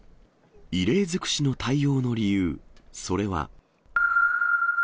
異例尽くしの対応の理由、それは。